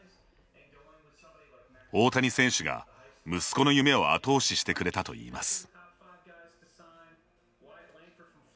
大谷選手が息子の夢を後押ししてくれたといいます。